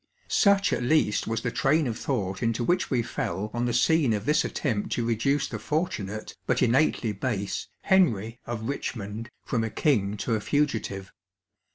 Such at least was the train of thought into which we fell on the scene of this attempt to reduce the fortunate, but innately base, Henry of Eichmond from a king to a fugitive.